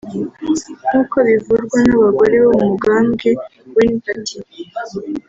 nk'uko bivurwa n'abagore bo mu mugambwe Green party